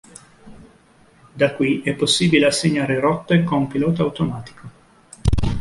Da qui è possibile assegnare rotte con pilota automatico.